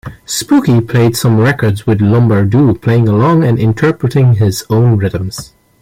Spooky played some records with Lombardo playing along and interpreting his own rhythms.